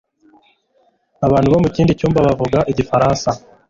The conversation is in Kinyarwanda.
abantu bo mu kindi cyumba bavuga igifaransa